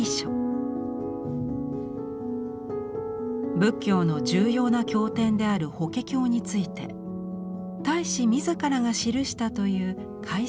仏教の重要な経典である「法華経」について太子自らが記したという解説書です。